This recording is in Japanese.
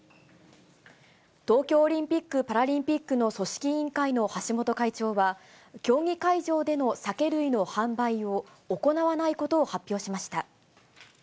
東京オリンピック・パラリンピックの組織委員会の橋本会長は、競技会場での酒類の販売を行わないことを発表しました。